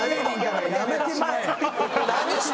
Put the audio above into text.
「やめてまえ」！